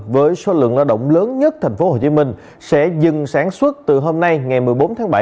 với số lượng lao động lớn nhất tp hcm sẽ dừng sản xuất từ hôm nay ngày một mươi bốn tháng bảy